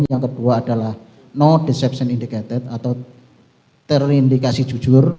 yang kedua adalah no deception indicated atau terindikasi jujur